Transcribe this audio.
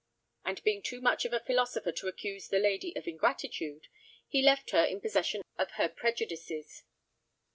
And being too much of a philosopher to accuse the lady of ingratitude, he left her in possession of her prejudices.